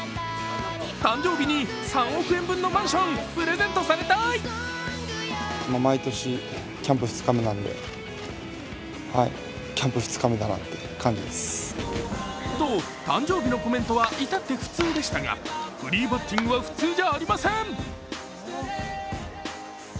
誕生日に３億円分のマンション、プレゼントされたい！と、誕生日のコメントは至って普通でしたが、フリーバッティングは普通じゃありません。